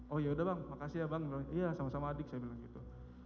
oh yaudah bang makasih ya bang iya sama sama adik saya bilang gitu